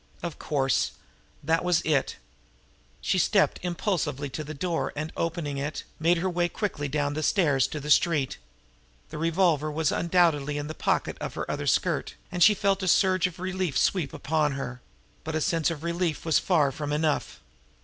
Of course! That was it! She stepped impulsively to the door, and, opening it, made her way quickly down the stairs to the street. The revolver was undoubtedly in the pocket of her other skirt, and she felt a surge of relief sweep upon her; but a sense of relief was far from enough.